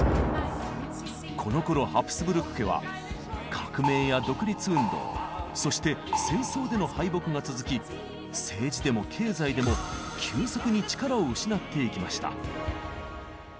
このころハプスブルク家は革命や独立運動そして戦争での敗北が続き政治でも経済でも急速に力を失っていきました。